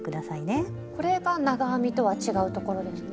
これが長編みとは違うところですね。